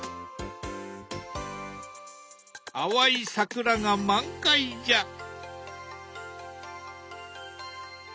淡い桜が満開じゃ！